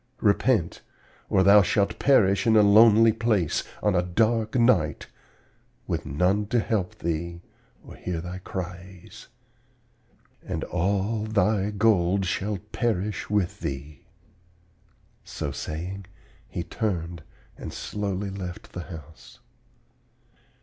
Repent, or thou shalt perish in a lonely place, on a dark night, with none to help thee or hear thy cries; and all thy gold shall perish with thee.' So saying, he turned and slowly left the house.